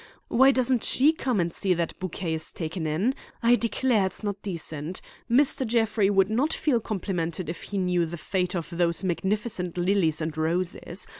'Why doesn't she come and see that that bouquet is taken in? I declare it's not decent. Mr. Jeffrey would not feel complimented if he knew the fate of those magnificent lilies and roses.